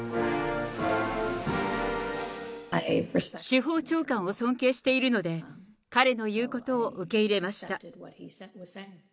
司法長官を尊敬しているので、彼の言うことを受け入れました。